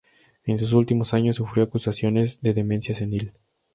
En sus últimos años sufrió acusaciones de demencia senil.